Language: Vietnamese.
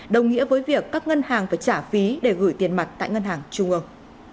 đồng nghĩa với việc các ngân hàng phải trả phí để gửi tiền mặt tại ngân hàng trung ương